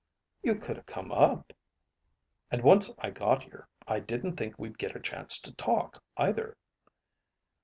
"You could have come up." "And once I got here, I didn't think we'd get a chance to talk, either."